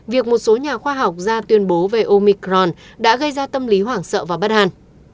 việc một số nhà khoa học ra tuyên bố về omicron đã gây ra tâm lý hoảng sợ vào bất an